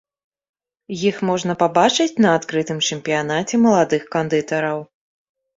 Іх можна пабачыць на адкрытым чэмпіянаце маладых кандытараў.